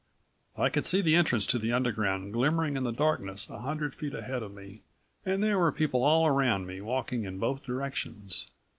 I could see the entrance to the Underground glimmering in the darkness a hundred feet ahead of me and there were people all around me walking in both directions.